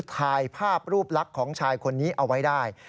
ถ่ายภาพรูปลักษณ์ของชายคนนี้เอาไว้ได้